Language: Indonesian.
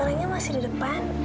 orangnya masih di depan